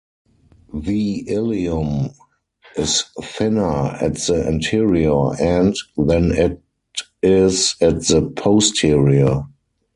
The ilium is thinner at the anterior end than it is at the posterior.